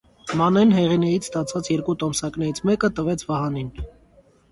Մանեն Հեղինեից ստացած երկու տոմսակներից մեկը տվեց Վահանին: